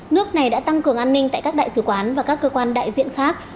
nước này đã tăng cường an ninh tại các đại sứ quán và các cơ quan đại diện khác